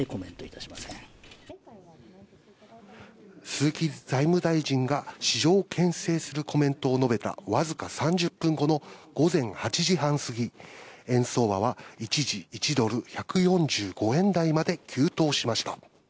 鈴木財務大臣が市場をけん制するコメントを述べたわずか３０分後の午前８時半過ぎ、円相場は一時、１ドル＝１４５円台まで急騰しました。